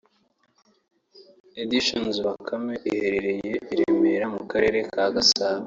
Editions Bakame herereye i Remera mu Karere ka Gasabo